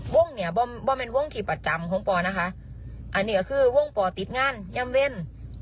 เนี่ยว่าเป็นวงที่ประจำของปอนะคะอันนี้ก็คือวงป่อติดงานย่ำเว่น